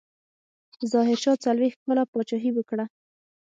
ظاهرشاه څلوېښت کاله پاچاهي وکړه.